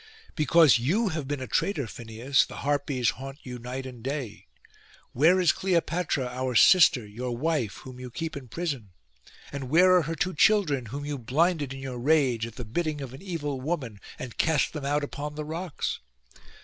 'Because you have been a traitor, Phineus, the Harpies haunt you night and day. Where is Cleopatra our sister, your wife, whom you keep in prison? and where are her two children, whom you blinded in your rage, at the bidding of an evil woman, and cast them out upon the rocks?